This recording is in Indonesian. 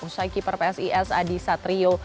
usai keeper psis adi satrio